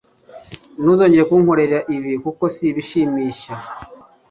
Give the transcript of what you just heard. Ntuzongere kunkorera ibi kuko si bishimishya.